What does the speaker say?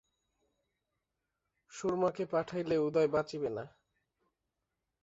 সুরমাকে পাঠাইলে উদয় বাঁচিবে না।